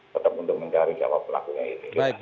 tetap untuk mencari siapa pelakunya ini